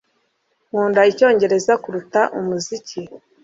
Nkunda icyongereza kuruta umuziki